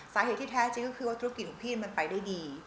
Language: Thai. สาเหตุที่แท้จริงก็คือว่าธุรกิจของพี่มันไปได้ดี